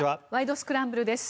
スクランブル」です。